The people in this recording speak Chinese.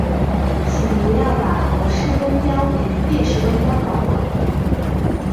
请不要把罗氏温标与列氏温标搞混。